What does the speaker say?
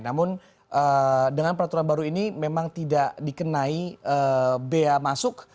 namun dengan peraturan baru ini memang tidak dikenai bea masuk